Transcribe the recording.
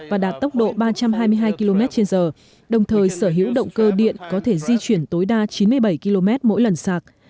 và đạt tốc độ ba trăm hai mươi hai km trên giờ đồng thời sở hữu động cơ điện có thể di chuyển tối đa chín mươi bảy km mỗi lần sạc